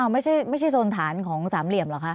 ไม่ใช่โซนฐานของสามเหลี่ยมเหรอคะ